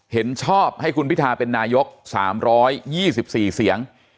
เห็นชอบให้คุณพิทาเป็นนายก๓๒๔เสียง